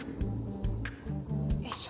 よいしょ。